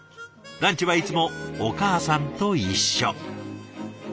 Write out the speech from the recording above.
ランチはいつもお母さんと一緒。